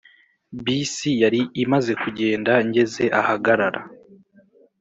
] bisi yari imaze kugenda ngeze ahagarara.